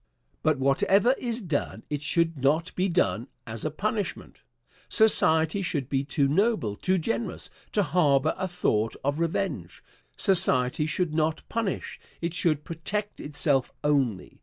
But, whatever is done, it should not be done as a punishment. Society should be too noble, too generous, to harbor a thought of revenge. Society should not punish, it should protect itself only.